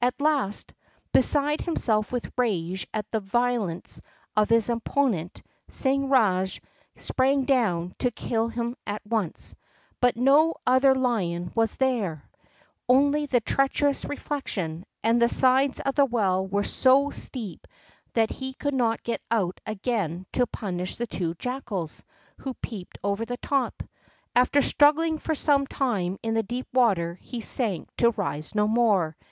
At last, beside himself with rage at the violence of his opponent, Singh Rajah sprang down to kill him at once, but no other lion was there—only the treacherous reflection—and the sides of the well were so steep that he could not get out again to punish the two jackals, who peeped over the top. After struggling for some time in the deep water, he sank to rise no more.